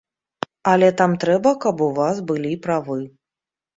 Але там трэба, каб у вас былі правы.